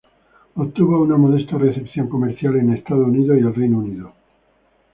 Obtuvo una modesta recepción comercial en Estados Unidos y el Reino Unido.